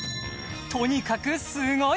とにかくすごい！